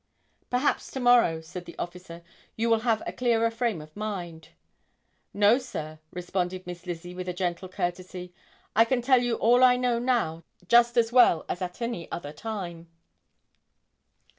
"Perhaps tomorrow," said the officer, "you will have a clearer frame of mind." "No sir," responded Miss Lizzie with a gentle courtesy, "I can tell you all I know now just as well as at any other time."